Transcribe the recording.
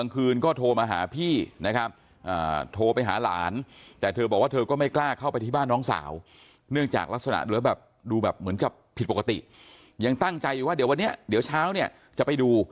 ก็ผิดปกติยังตั้งใจว่าเดี๋ยววันเนี่ยเดี๋ยวเช้าเนี่ยจะไปดู